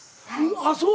あっそう。